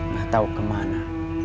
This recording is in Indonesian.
gak tau kemana